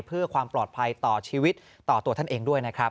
เพื่อความปลอดภัยต่อชีวิตต่อตัวท่านเองด้วยนะครับ